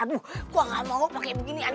aduh gue gak mau pakai beginian